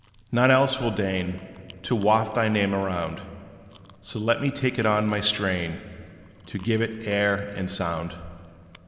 none else will deign To waft thy name around; So, let me take it on my strain, To give it air and sound.